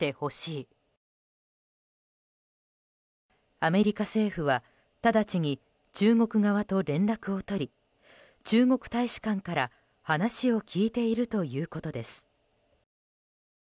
アメリカ政府は直ちに中国側と連絡を取り中国大使館から話を聞いているということです。